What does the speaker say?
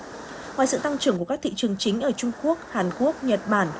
ngoài sự tăng trưởng của các thị trường chính ở trung quốc hàn quốc nhật bản